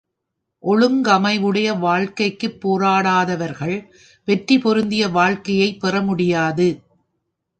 ஒழுங்கமைவுடைய வாழ்க்கைக்குப் போராடாதவர்கள் வெற்றி பொருந்திய வாழ்க்கையைப் பெற முடியாது.